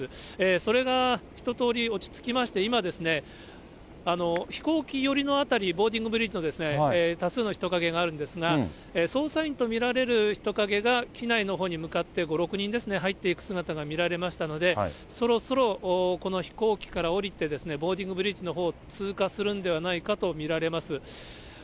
それが一通り落ち着きまして、今、飛行機寄りの辺り、ボーディングブリッジの中に多数の人影があるんですが、捜査員と見られる人影が機内のほうに向かって５、６人ですね、入っていく姿が見られましたので、そろそろこの飛行機から降りて、ボーディングブリッジのほう、通過するのではないかと見られます。